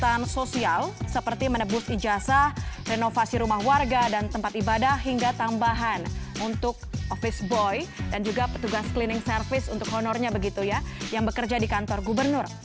dan juga kegiatan sosial seperti menebus ijasa renovasi rumah warga dan tempat ibadah hingga tambahan untuk office boy dan juga petugas cleaning service untuk honornya begitu ya yang bekerja di kantor gubernur